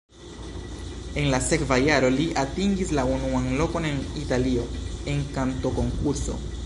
En la sekva jaro li atingis la unuan lokon en Italio en kantokonkurso.